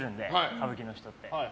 歌舞伎の人って。